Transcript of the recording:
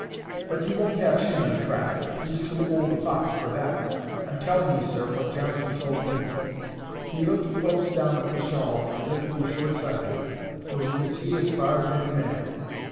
But you won't catch him in a trap! He's too old a fox for that.' I'm telling you, sir, what Johnson told me. 'He looked close down at the shawls, as if he were short sighted, though he could see as far as any man.